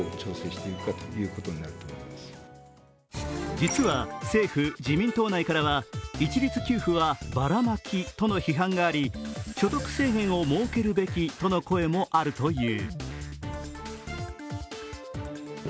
実は政府・自民党内からは一律給付はバラマキとの批判があり所得制限を設けるべきとの声もあるという。